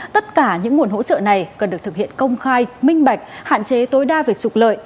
tất cả những nguồn hỗ trợ này cần được thực hiện công khai minh bạch hạn chế tối đa về trục lợi